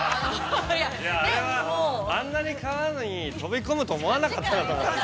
◆あれはあんなに川に飛び込むと思わなかったのかもしれない。